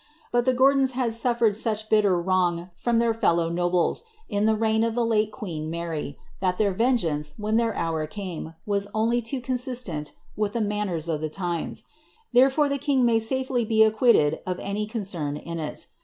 But the Gordons baii ^uJ fercd such bitter wrong from iheir lelloiv nobles, in the reign of tlie l»ie queen Mary, that their vengeance, when their hour came, was only lo» consistent with the manners of the times ; therefore the king mav saiily be aci|uiiied of any concern in it.